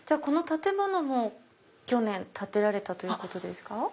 この建物も去年建てられたということですか？